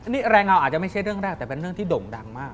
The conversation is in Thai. นี่แรงเงาอาจจะไม่ใช่เรื่องแรกแต่เป็นเรื่องที่โด่งดังมาก